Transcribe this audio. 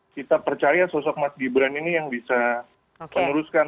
kita percaya sosok mas gibran ini yang bisa meneruskan